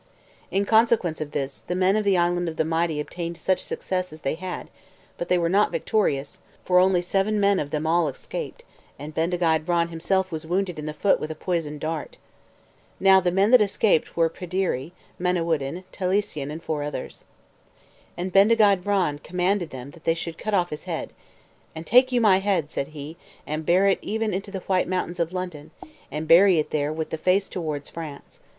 In consequence of this, the men of the Island of the Mighty obtained such success as they had; but they were not victorious, for only seven men of them all escaped, and Bendigeid Vran himself was wounded in the foot with a poisoned dart. Now the men that escaped were Pryderi, Manawyddan, Taliesin, and four others. And Bendigeid Vran commanded them that they should cut off his head. "And take you my head," said he, "and bear it even unto the White Mount in London, and bury it there with the face towards France.